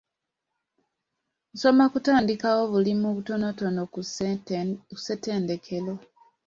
Nsoma kutandikawo bulimu butonotono ku ssettendekero.